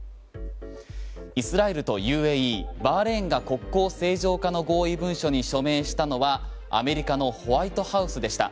イスラエルとＵＡＥバーレーンが国交正常化の合意文書に署名したのはアメリカのホワイトハウスでした。